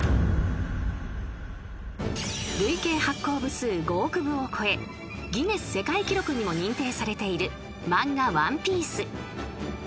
［累計発行部数５億部を超えギネス世界記録にも認定されている漫画『ワンピース』］